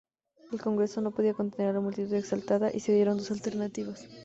El Congreso no podía contener a la multitud exaltada, y se dieron dos alternativas.